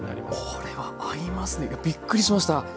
これは合いますねびっくりしました。